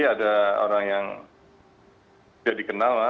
ada orang yang tidak dikenal